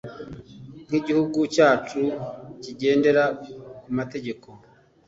nk’igihugu cyacu kigendera ku mategeko